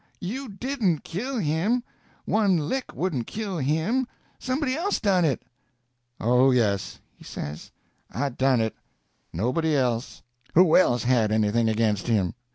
You didn't kill him. One lick wouldn't kill him. Somebody else done it." "Oh, yes," he says, "I done it—nobody else. Who else had anything against him?